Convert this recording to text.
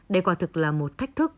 đề quả thực là một thách thức